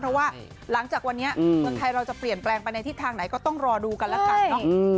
เพราะว่าหลังจากวันนี้เมืองไทยเราจะเปลี่ยนแปลงไปในทิศทางไหนก็ต้องรอดูกันแล้วกันเนอะ